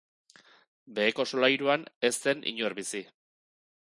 Beheko solairuan ez zen inor bizi.